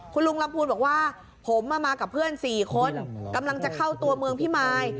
คุณลุงลำพูนบอกว่าผมมากับเพื่อน๔คนกำลังจะเข้าตัวเมืองพิมาย